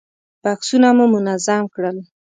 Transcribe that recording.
بکسونه مو منظم کړل.